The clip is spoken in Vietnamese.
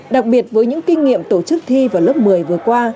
đặc biệt với những kinh nghiệm tổ chức thi vào lớp một mươi vừa qua